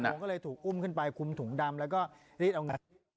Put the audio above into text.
ผมก็เลยถูกอุ้มขึ้นไปคุมถุงดำแล้วก็รีดเอาเงิน